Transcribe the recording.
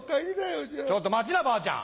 ちょっと待ちなばあちゃん。